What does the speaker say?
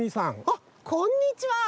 あっこんにちは。